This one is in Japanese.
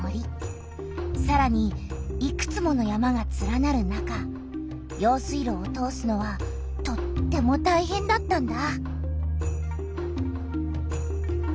さらにいくつもの山がつらなる中用水路を通すのはとってもたいへんだったんだ。